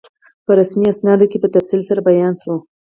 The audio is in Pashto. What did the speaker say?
په رسمي اسنادو کې په تفصیل سره بیان شوی.